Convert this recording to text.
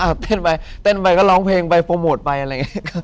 เต้นไปเต้นไปก็ร้องเพลงไปโปรโมทไปอะไรอย่างนี้